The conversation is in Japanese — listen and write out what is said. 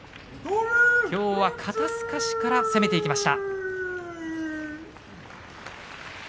きょうは肩すかしから攻めていきました。